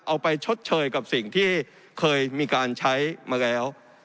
เอาไปชดเชยกับสิ่งที่เคยมีการใช้มาแล้ว